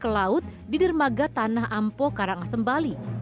ke laut di dermaga tanah ampo karangasem bali